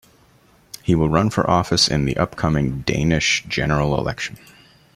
He will run for office in the upcoming Danish general election.